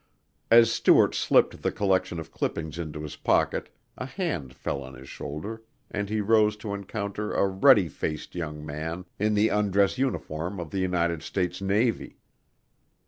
As Stuart slipped the collection of clippings into his pocket a hand fell on his shoulder and he rose to encounter a ruddy faced young man in the undress uniform of the United States Navy.